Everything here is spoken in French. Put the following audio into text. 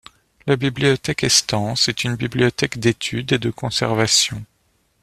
La Bibliothèque Estense est une bibliothèque d'étude et de conservation.